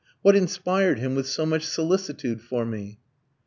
What inspired him with so much solicitude for me?